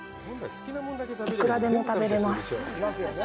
幾らでも食べれます。